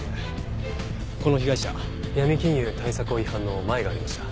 この被害者ヤミ金融対策法違反のマエがありました。